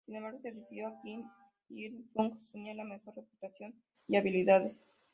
Sin embargo, se decidió que Kim Il-sung tenía la mejor reputación y habilidades.